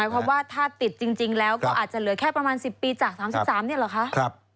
เพราะว่าถ้าติดจริงแล้วก็อาจจะเหลือแค่ประมาณ๑๐ปีจาก๓๓เนี่ยเหรอคะ